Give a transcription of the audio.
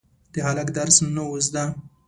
د هلک درس نه و زده.